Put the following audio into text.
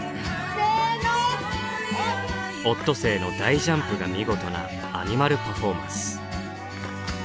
オットセイの大ジャンプが見事なアニマルパフォーマンス。